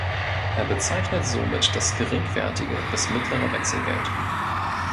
Er bezeichnet somit das geringwertige bis mittlere Wechselgeld.